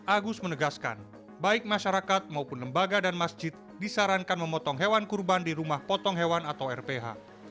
agus menegaskan baik masyarakat maupun lembaga dan masjid disarankan memotong hewan kurban di rumah potong hewan atau rph